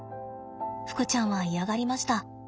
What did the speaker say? ふくちゃんは嫌がりました。